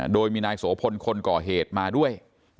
โดยมีนายโสพลคนก่อเหตุมาด้วย